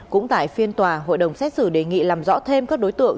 cũng tại phiên tòa hội đồng xét xử đề nghị làm rõ thêm các đối tượng